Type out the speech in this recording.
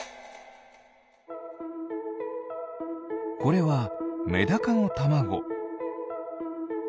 これはメダカのたまご。